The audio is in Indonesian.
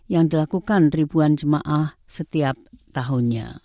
yang dilakukan ribuan jemaah setiap tahunnya